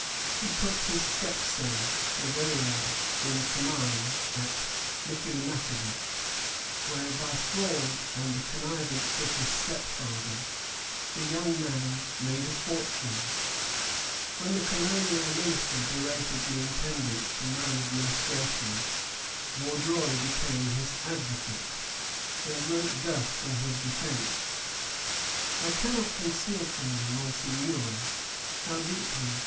He put his stepson, Le Verrier, in command at Michillimackinac, where, by fraud and the connivance of his stepfather, the young man made a fortune. When the Colonial Minister berated the Intendant for maladministration, Vaudreuil became his advocate, and wrote thus in his defence: "I cannot conceal from you, Monseigneur, how deeply M.